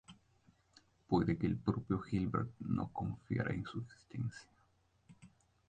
Puede que el propio Hilbert no confiara en su existencia.